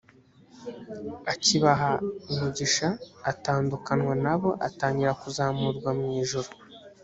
akibaha umugisha atandukanywa na bo atangira kuzamurwa mu ijuru